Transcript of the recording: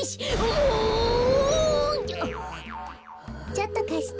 ちょっとかして。